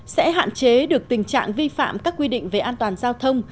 sẽ hạn chế được tình trạng vi phạm các quy định về an toàn giao thông